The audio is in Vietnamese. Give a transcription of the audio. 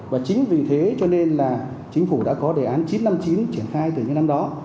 và chính vì thế cho nên là chính phủ đã có đề án chín trăm năm mươi chín triển khai từ những năm đó